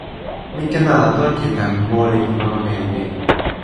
mi ken ala toki tan moli pi mama meli mi.